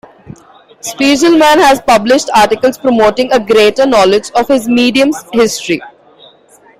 Spiegelman has published articles promoting a greater knowledge of his medium's history.